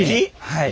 はい。